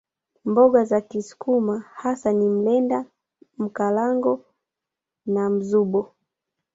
Mboga za kisukuma hasa ni mlenda Mkalango na mzubo